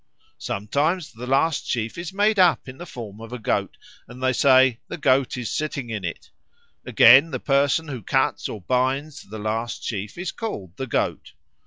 Sometimes the last sheaf is made up in the form of a goat, and they say, "The Goat is sitting in it." Again, the person who cuts or binds the last sheaf is called the Goat.